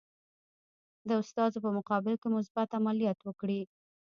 د استازو په مقابل کې مثبت عملیات وکړي.